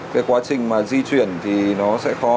cái quá trình mà di chuyển thì nó sẽ khó